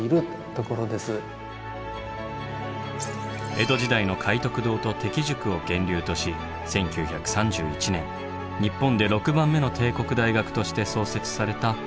江戸時代の懐徳堂と適塾を源流とし１９３１年日本で６番目の帝国大学として創設された大阪大学。